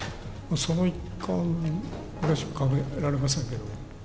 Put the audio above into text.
その一環ぐらいしか考えられませんけども。